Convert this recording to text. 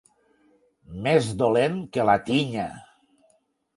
Més dolent que la tinya.